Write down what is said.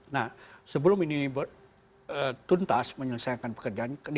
nah sebelum ini tuntas menyelesaikan pekerjaan